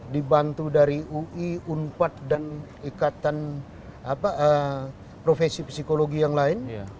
dibantu dari ui unpad dan ikatan profesi psikologi yang lain